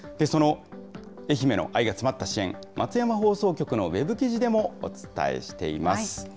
その愛媛の愛が詰まった支援、松山放送局のウェブ記事でもお伝えしています。